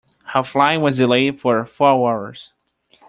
Her flight was delayed for four hours.